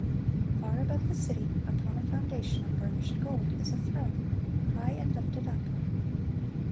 Far above the city, upon a foundation of burnished gold, is a throne, high and lifted up.